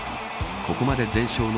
ここまで全勝の